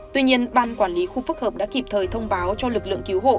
tuy nhiên ban quản lý khu phức hợp đã kịp thời thông báo cho lực lượng cứu hộ